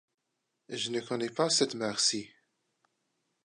Je ne connais pas cette mer-ci.